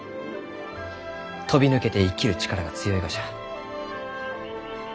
飛び抜けて生きる力が強いがじゃ。